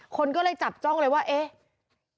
คนก็เลยจับจ้องเลยว่าเอ๊ะ